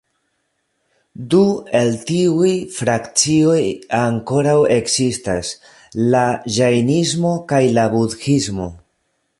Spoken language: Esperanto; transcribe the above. Du el tiuj frakcioj ankoraŭ ekzistas: la ĝajnismo kaj la budhismo.